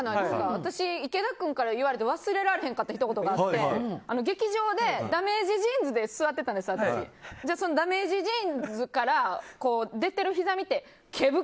私、池田君から言われて忘れられへんひと言があって劇場でダメージジーンズで座ってたらダメージジーンズから出てるひざ見て毛深！